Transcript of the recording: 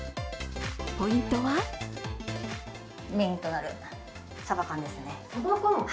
ポイントはメインとなるサバ缶ですね。